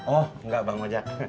oh enggak bang ojak